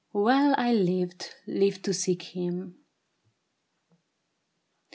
" Well, I lived— lived to seek him.